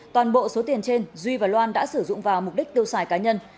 toàn bộ số tiền trên duy và loan đã sử dụng vào mục đích tiêu xài cá nhân